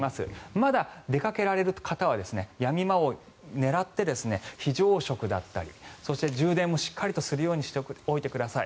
まだ出かけられる方はやみ間を狙って非常食だったり、そして充電もしっかりするようにしておいてください。